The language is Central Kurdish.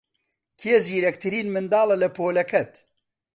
کێ زیرەکترین منداڵە لە پۆلەکەت؟